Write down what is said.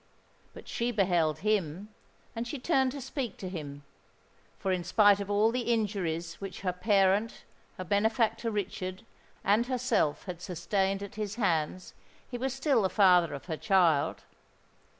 But she beheld him; and she turned to speak to him; for in spite of all the injuries which her parent, her benefactor Richard, and herself had sustained at his hands, he was still the father of her child!